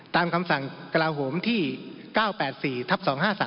คำสั่งกระลาโหมที่๙๘๔ทับ๒๕๓